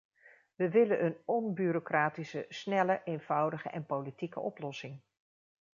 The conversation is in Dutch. We willen een onbureaucratische, snelle, eenvoudige en politieke oplossing.